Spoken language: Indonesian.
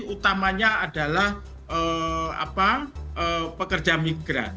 utamanya adalah pekerja migran